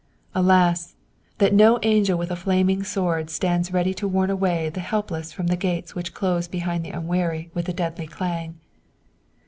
Alas! That no angel with a flaming sword stands ready to warn away the helpless from the gates which close behind the unwary with a deadly clang.